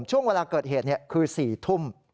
ช่วงเวลาเกิดเหตุคือ๔ทุ่ม